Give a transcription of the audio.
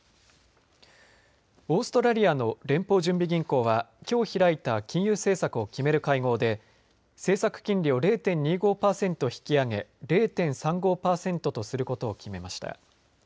オーストラリアの連邦準備銀行はきょう開いた金融政策を決める会合で政策金利を０．２５パーセント引き上げ０．３５パーセントとすることを決めました。